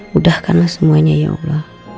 mudahkanlah semuanya ya allah